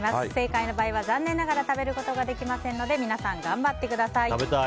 不正解の場合は残念ながら食べることができませんので皆さん、頑張ってください。